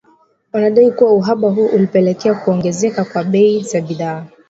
Wanadai kuwa uhaba huo ulipelekea kuongezeka kwa bei za bidhaa